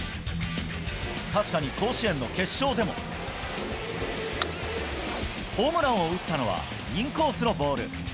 確かに、甲子園の決勝でも、ホームランを打ったのはインコースのボール。